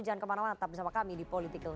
jangan kemana mana tetap bersama kami di political